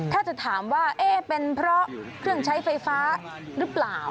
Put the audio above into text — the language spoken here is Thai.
ถ้าจะถามว่าเอ๊ะเป็นเพราะเครื่องใช้ไฟฟ้าหรือเปล่า